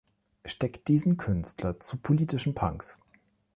Steck diesen Künstler zu politischen Punks.